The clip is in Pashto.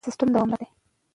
دا سیستم دوامدار دی.